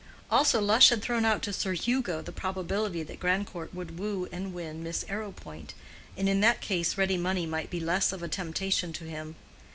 Also, Lush had thrown out to Sir Hugo the probability that Grandcourt would woo and win Miss Arrowpoint, and in that case ready money might be less of a temptation to him.